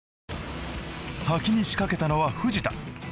先に仕掛けたのは藤田。